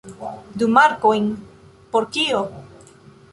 Du markojn? Por kio?